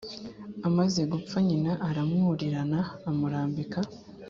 Amaze gupfa nyina aramwurirana amurambika